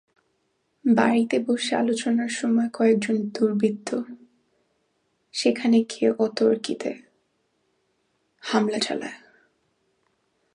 বাড়িতে বসে আলোচনার সময় কয়েকজন দুর্বৃত্ত সেখানে গিয়ে অতর্কিতে হামলা চালায়।